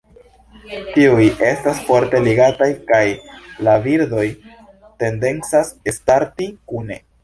Tiuj estas forte ligataj kaj la birdoj tendencas starti kune.